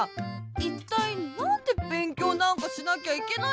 いったいなんでべんきょうなんかしなきゃいけないのさ！